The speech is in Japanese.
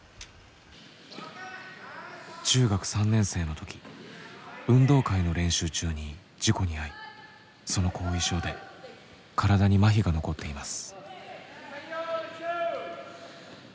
中学３年生の時運動会の練習中に事故に遭いその後遺症で体に麻痺が残っています。